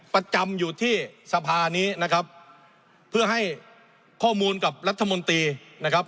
ประจำอยู่ที่สภานี้นะครับเพื่อให้ข้อมูลกับรัฐมนตรีนะครับ